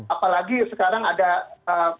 apalagi sekarang ada cur kasus baru ya